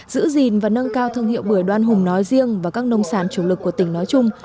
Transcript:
giữ gìn và nâng cao thương hiệu bưởi đoan hùng nói riêng và các nông sản chủ lực của tỉnh nói chung